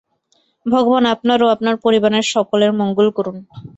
ভগবান আপনার ও আপনার পরিবারের সকলের মঙ্গল করুন।